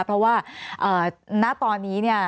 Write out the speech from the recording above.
เพราะว่าณตอนนี้เนี่ย